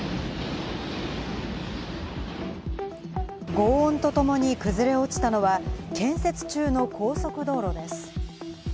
ごう音とともに崩れ落ちたのは、建設中の高速道路です。